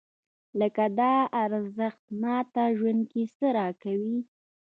لکه دا ارزښت ماته ژوند کې څه راکوي؟